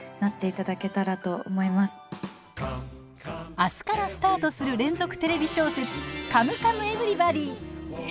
あすからスタートする連続テレビ小説「カムカムエヴリバディ」。